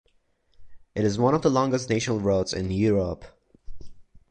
It is one of the longest national roads in Europe.